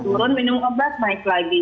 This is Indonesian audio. turun minum ngebas naik lagi